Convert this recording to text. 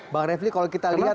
bang refli kalau kita lihat